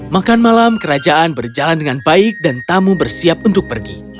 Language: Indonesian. makan malam kerajaan berjalan dengan baik dan tamu bersiap untuk pergi